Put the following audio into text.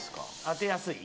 当てやすい？